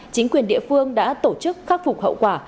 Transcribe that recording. chính quyền địa phương đã tổ chức khắc phục hậu quả